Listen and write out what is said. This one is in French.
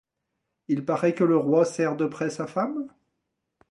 Il paraît que le roi serre de près sa femme?